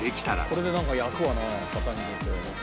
これでなんか焼くわな型に入れて。